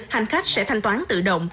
hành khách sẽ thanh toán tự động